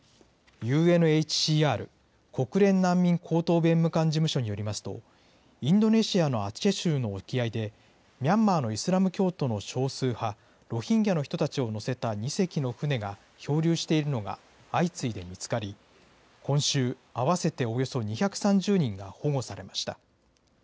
ＵＮＨＣＲ・国連難民高等弁務官事務所によりますと、インドネシアのアチェ州の沖合で、ミャンマーのイスラム教徒の少数派、ロヒンギャの人たちを乗せた２隻の船が漂流しているのが相次いで見つかり、今週、合わせておよそ２３０人が保護されました。